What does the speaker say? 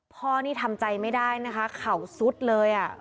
พ่อนี่ทำใจไม่ได้นะคะเข่าซุดเลย